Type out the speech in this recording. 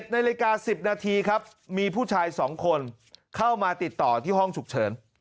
๑นาฬิกา๑๐นาทีครับมีผู้ชาย๒คนเข้ามาติดต่อที่ห้องฉุกเฉิน